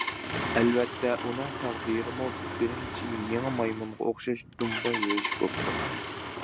ئەلۋەتتە، ئۇنىڭ تەقدىرىمۇ بىرىنچى يېڭى مايمۇنغا ئوخشاش دۇمبا يېيىش بوپتۇ.